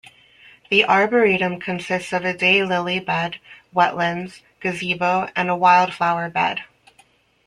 The Aboretum consists of a daylily bed, wetlands, gazebo, and a wildflower bed.